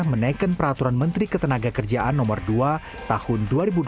menaikkan peraturan menteri ketenagakerjaan no dua tahun dua ribu dua puluh dua